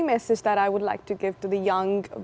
pesan yang saya ingin memberikan kepada